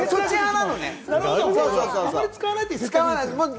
あまり使わないってことですね。